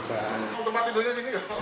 tempat tidurnya jadinya